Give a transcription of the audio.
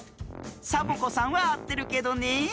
サボ子さんはあってるけどねえ。